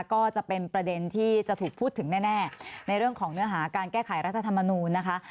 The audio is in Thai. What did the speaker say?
ก็จะเป็นประเด็นที่จะถูกพูดถึงแน่ในเรื่องของเนื้อหาการแก้ไขรัฐธรรมนูลนะคะ